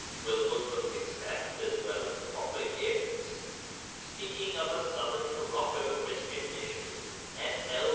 Will Muslims accept as well as proffer gifts? Speaking of a Southern Morocco Christian mission, S. L.